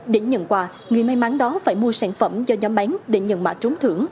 để nhận quà người may mắn đó phải mua sản phẩm do nhóm bán để nhận mã trúng thưởng